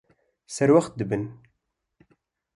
Serwext dibim.